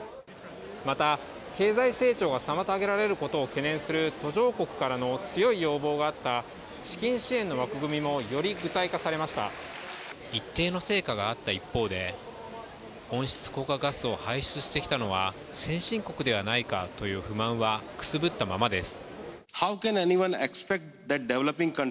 また、経済成長が妨げられることを懸念する途上国から強い要望があった資金支援の枠組みも一定の成果があった一方で温室効果ガスを排出してきたのは先進国ではないかという不満はくすぶったままです。